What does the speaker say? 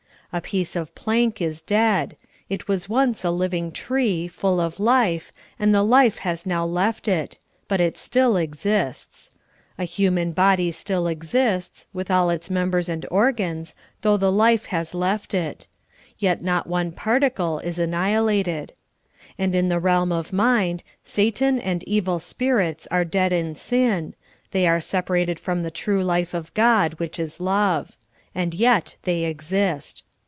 A piece of plank is dead ; it was once a living tree, full of life, and the life has now left it ; but it still exists. A dead human body vStill exists, with all its members and organs, though the life has left it ; yet not one particle is an CONCERNING ANNIHILATION. 9I iiiliilated. And in the realm of mind, Satan and evil spirits are dead in sin — they are separated from the true life of God, which is love ; and yet they exist.